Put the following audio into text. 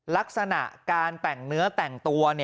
ลักษณะการแต่งเนื้อแต่งตัว